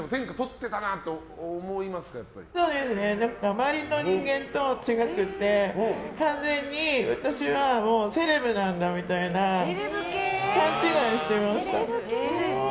周りの人間と違くて完全に私はセレブなんだみたいな勘違いしてました。